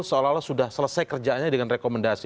seolah olah sudah selesai kerjaannya dengan rekomendasi